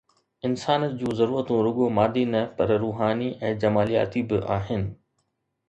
انسان جون ضرورتون رڳو مادي نه پر روحاني ۽ جمالياتي به آهن.